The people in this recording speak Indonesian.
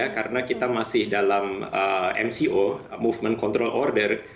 karena kita masih dalam mco movement control order